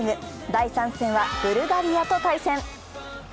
第３戦はブルガリアと対戦。